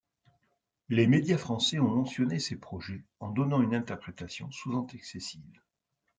Les médias français ont mentionné ces projets, en donnant une interprétation souvent excessive.